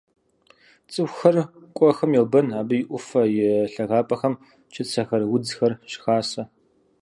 ЦӀыхухэр къуэхэм йобэн: абы и Ӏуфэ, и лъагапӀэхэм чыцэхэр, удзхэр щыхасэ.